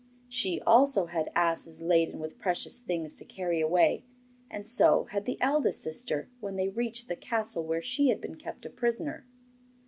She also had asses laden with precious things to carry away, and so had the eldest sister, when they reached the castle where she had been kept a prisoner.